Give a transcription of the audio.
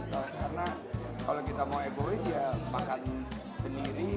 karena kalau kita mau egois ya makan sendiri